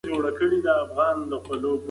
پروفیسور پیټریک مکګوري څېړنه کړې ده.